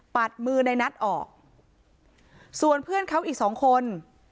มือในนัทออกส่วนเพื่อนเขาอีกสองคน